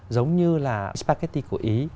giống như là spaghetti của ý